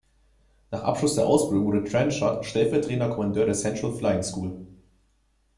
Nach Abschluss der Ausbildung wurde Trenchard stellvertretender Kommandeur der Central Flying School.